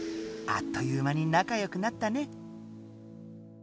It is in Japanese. あっという間になかよくなったね。